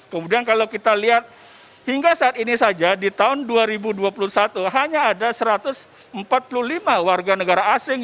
kemudian kalau kita lihat hingga saat ini saja di tahun dua ribu dua puluh satu hanya ada satu ratus empat puluh lima warga negara asing